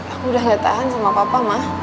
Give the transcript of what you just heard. aku udah gak tahan sama papa mah